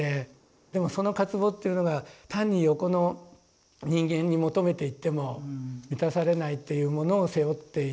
でもその渇望っていうのが単に横の人間に求めていっても満たされないというものを背負っている。